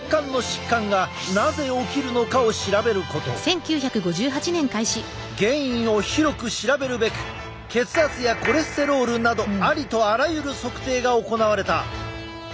共同研究の目的は原因を広く調べるべく血圧やコレステロールなどありとあらゆる測定が行われた。